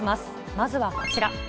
まずはこちら。